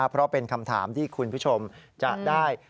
เพราะเป็นคำถามที่คุณผู้ชมจะได้